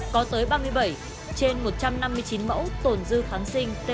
có tới ba mươi bảy trên một trăm năm mươi chín mẫu tồn dư kháng sinh tetraxilin vượt ngưỡng cho phép